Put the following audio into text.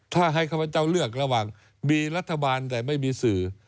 ถ้าให้ข้าพเจ้าเลือกระหว่างมีรัฐบาลแต่ไม่มีสื่อ